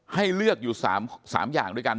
ให้เลือกอยู่๓อย่างด้วยกัน